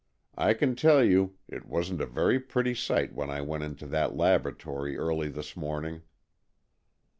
I can tell you, it wasn't a very pretty sight when I went into that laboratory early this morning."